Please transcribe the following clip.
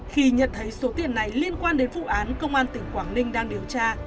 khi nhận thấy số tiền này liên quan đến vụ án công an tỉnh quảng ninh đang điều tra